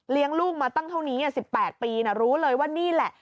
ลูกมาตั้งเท่านี้๑๘ปีรู้เลยว่านี่แหละ